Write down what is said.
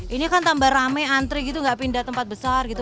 ini kan tambah rame antri gitu gak pindah tempat besar gitu